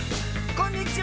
こんにちは。